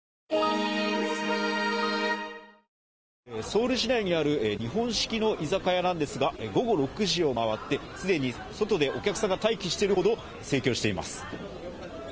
ソウル氏内にある日本式の居酒屋なんですが、午後６時を回って、既に外でお客さんが待機しているほど盛況しています。